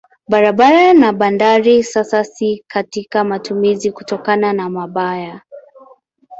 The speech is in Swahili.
Barabara na bandari sasa si katika matumizi kutokana na mbaya.